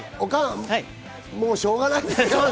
もうしょうがないよ！